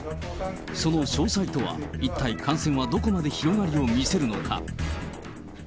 その詳細とは、一体感染はどこまで広がりを見せるのか。